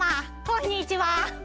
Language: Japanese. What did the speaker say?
こんにちは。